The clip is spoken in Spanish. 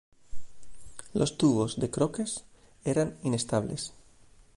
Los tubos de Crookes eran inestables.